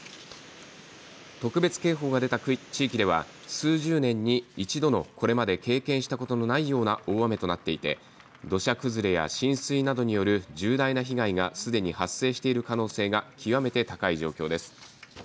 特別警報が出た地域では数十年に一度のこれまで経験したことのないような大雨となっていて土砂崩れや浸水などによる重大な被害がすでに発生している可能性が極めて高い状況です。